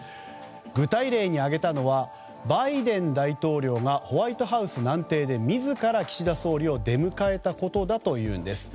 具体例に挙げたのはバイデン大統領がホワイトハウス南庭で自ら岸田総理を出迎えたことだというんです。